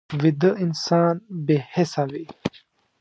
ویده انسان بې حسه وي